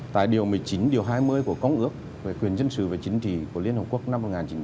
tại điều một mươi chín điều hai mươi của công ước về quyền dân sự và chính trị của liên hợp quốc năm một nghìn chín trăm tám mươi hai